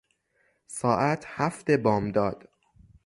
ساعت هفت بامداد